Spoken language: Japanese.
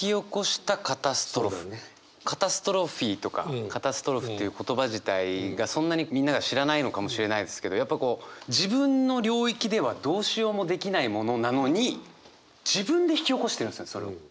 「カタストロフィー」とか「カタストロフ」という言葉自体がそんなにみんなが知らないのかもしれないですけどやっぱこう自分の領域ではどうしようもできないものなのに自分で引き起こしてるんですねそれを。